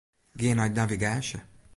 Gean nei navigaasje.